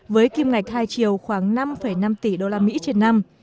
với kim ngạch hai triệu khoảng năm năm tỷ usd trên năm